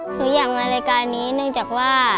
หนูอยากมารายการนี้เนื่องจากว่า